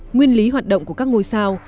nguyên lý hoạt động của các ngôi sao